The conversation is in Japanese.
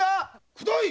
くどい！